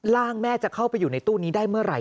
ร่างแม่จะเข้าไปอยู่ในตู้นี้ได้เมื่อไหร